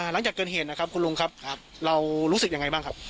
หลังจากเกิดเหตุนะครับคุณลุงครับเรารู้สึกยังไงบ้างครับ